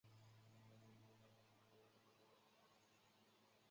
三好在畿内进入了全盛期。